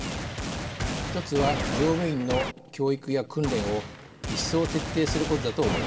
一つは乗務員の教育や訓練を一層徹底することだと思います。